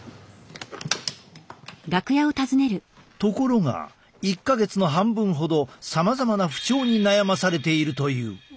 ところが１か月の半分ほどさまざまな不調に悩まされているという。